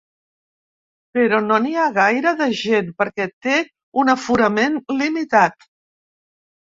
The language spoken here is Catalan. Però no n’hi haurà gaire, de gent, perquè té un aforament limitat.